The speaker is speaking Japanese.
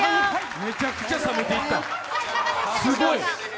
めちゃめちゃ冷めていった。